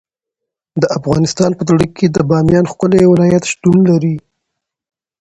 د افغانستان په زړه کې د بامیان ښکلی ولایت شتون لري.